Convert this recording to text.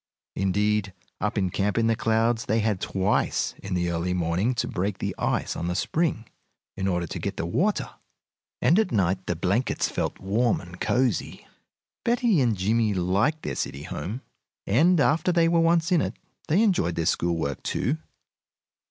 Indeed, up in Camp in the Clouds they had twice in the early morning to break the ice on the spring in order to get the water, and at night the blankets felt warm and cosey. Betty and Jimmie liked their city home, and after they were once in it they enjoyed their school work, too.